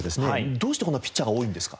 どうしてこんなピッチャーが多いんですか？